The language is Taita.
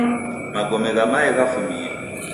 Magome gha maye ghafumie